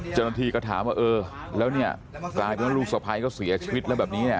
เจ้าหน้าที่ก็ถามว่าเออแล้วเนี่ยกลายเป็นว่าลูกสะพ้ายก็เสียชีวิตแล้วแบบนี้เนี่ย